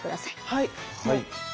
はい。